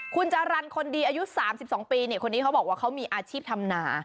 คุณจรรย์คนดีอายุ๓๒ปีคนนี้เขาบอกว่าเขามีอาชีพทำนา